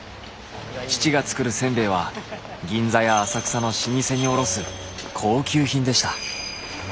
父が作るせんべいは銀座や浅草の老舗に卸す高級品でした。